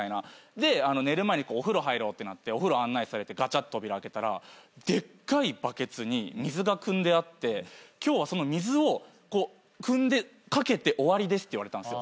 であの寝る前にお風呂入ろうってなってお風呂案内されてガチャッと扉開けたらでっかいバケツに水がくんであって今日はその水をくんで掛けて終わりですって言われたんすよ。